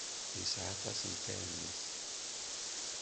Yesɛa aṭas n tarmit.